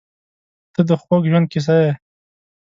• ته د خوږ ژوند کیسه یې.